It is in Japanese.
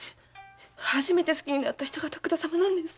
初めて好きになった人が徳田様なんです。